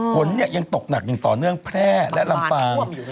ฝนยังตกหนักอย่างต่อเนื่องแพร่และลำปาง